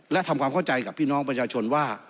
และทำความเข้าใจกับพี่น้องประชาชนว่า